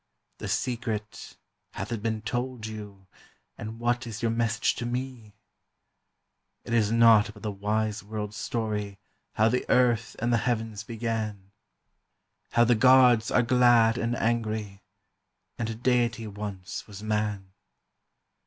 "The Secret, hath it been told you, and what is your message to me?" It is naught but the wide world story how the earth and the heavens began, How the gods are glad and angry, and a Deity once was man.